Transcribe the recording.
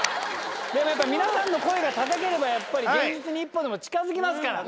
でもやっぱ皆さんの声が高ければやっぱり現実に一歩でも近づきますから。